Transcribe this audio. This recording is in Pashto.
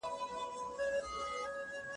غوږ ونیسئ